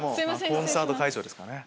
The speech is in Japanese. コンサート会場ですからね。